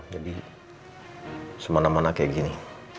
jadi semuanya kayak gini